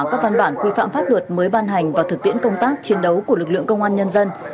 các văn bản quy phạm pháp luật mới ban hành vào thực tiễn công tác chiến đấu của lực lượng công an nhân dân